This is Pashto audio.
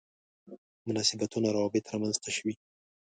مناسبتونه روابط رامنځته شوي.